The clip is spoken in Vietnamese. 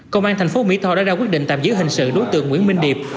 công an thành phố mỹ tho đã ra quyết định tạm giữ hình sự đối tượng nguyễn minh điệp